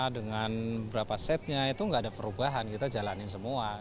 dengan berapa setnya itu nggak ada perubahan kita jalanin semua